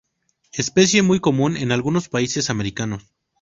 Especie muy común en algunos países americanos.